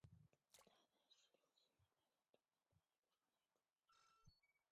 他在六七十年代的反越战抗议及左翼运动中亦扮演了重要角色。